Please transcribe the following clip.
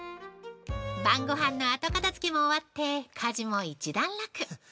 晩ごはんの後片づけも終わって家事も一段落。